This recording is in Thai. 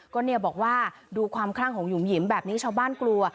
ก็เนี่ยบอกว่าดูความคลั่งของหยุ่มหยิมแบบนี้ชาวบ้านกลัว